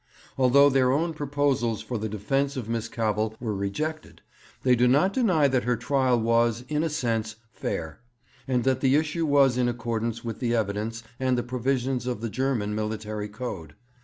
Although their own proposals for the defence of Miss Cavell were rejected, they do not deny that her trial was, in a sense, fair, and that the issue was in accordance with the evidence and the provisions of the German military code.